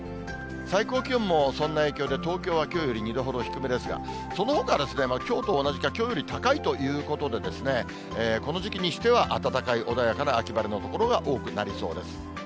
最高気温のそんな影響で、東京はきょうより２度ほど低めですが、そのほか、きょうと同じかきょうより高いということで、この時期にしては暖かい、穏やかな秋晴れの所が多くなりそうです。